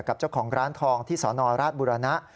กับเจ้าของร้านทองที่สนราชบุรณะ